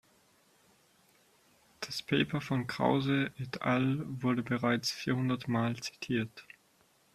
Das Paper von Krause et al. wurde bereits vierhundertmal zitiert.